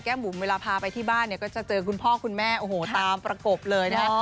แก้มบุ๋มเวลาพาไปที่บ้านเนี่ยก็จะเจอคุณพ่อคุณแม่ตามประกบเลยเนี่ย